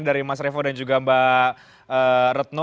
dari mas revo dan juga mbak retno